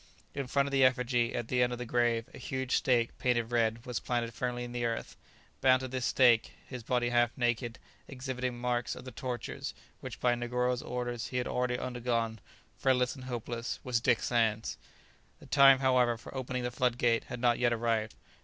In front of the effigy, at the end of the grave, a huge stake, painted red, was planted firmly in the earth. Bound to this stake, his body half naked, exhibiting marks of the tortures which by Negoro's orders he had already undergone, friendless and hopeless, was Dick Sands! [Illustration: Friendless and hopeless.] The time, however, for opening the flood gate had not yet arrived.